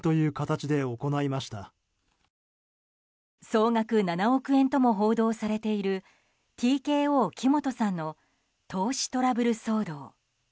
総額７億円とも報道されているＴＫＯ木本さんの投資トラブル騒動。